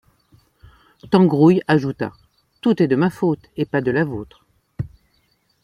Tangrouille ajouta: — Tout est de ma faute, et pas de la vôtre.